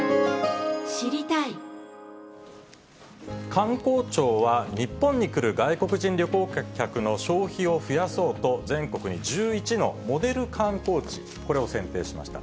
観光庁は、日本に来る外国人旅行客の消費を増やそうと、全国に１１のモデル観光地、これを選定しました。